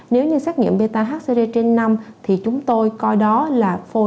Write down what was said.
nếu như xét nghiệm beta hcre trên năm thì chúng tôi coi đó là phôi